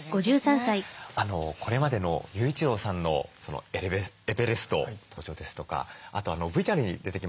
これまでの雄一郎さんのエベレスト登頂ですとかあとＶＴＲに出てきました